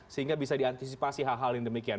sehingga bisa diantisipasi hal hal yang demikian